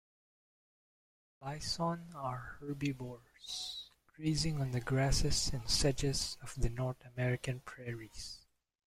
Bison are herbivores, grazing on the grasses and sedges of the North American prairies.